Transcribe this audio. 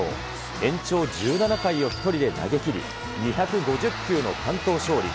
延長１７回を１人で投げ切り、２５０球の完投勝利。